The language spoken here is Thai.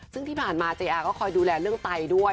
ซึ่งที่ผ่านมาเจอาก็คอยดูแลเรื่องไตด้วย